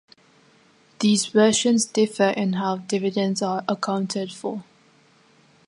These versions differ in how dividends are accounted for.